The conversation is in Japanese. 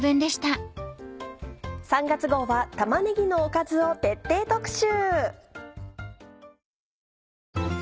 ３月号は玉ねぎのおかずを徹底特集。